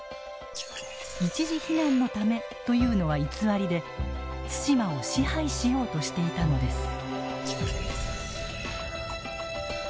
一時避難のためというのは偽りで対馬を支配しようとしていたのです。